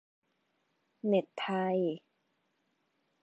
เน็ตไทย